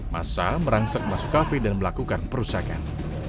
masa merangsek masuk kafe dan melakukan perusakan